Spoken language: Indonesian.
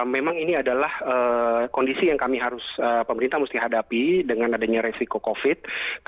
memang ini adalah kondisi yang kami harus pemerintah mesti hadapi dengan adanya resiko covid